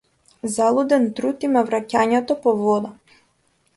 Залуден труд им е враќањето по вода.